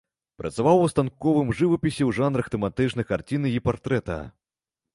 Працаваў у станковым жывапісе ў жанрах тэматычнай карціны і партрэта.